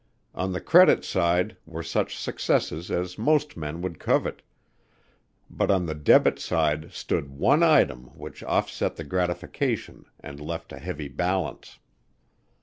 On the credit side were such successes as most men would covet, but on the debit side stood one item which offset the gratification and left a heavy balance.